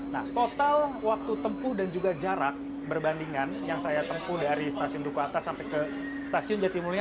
nah total waktu tempuh dan juga jarak berbandingan yang saya tempuh dari stasiun duku atas sampai ke stasiun jatimulya